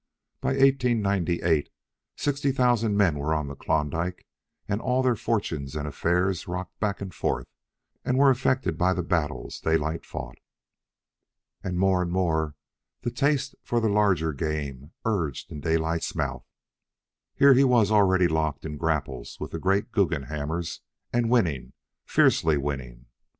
By 1898, sixty thousand men were on the Klondike and all their fortunes and affairs rocked back and forth and were affected by the battles Daylight fought. And more and more the taste for the larger game urged in Daylight's mouth. Here he was already locked in grapples with the great Guggenhammers, and winning, fiercely winning.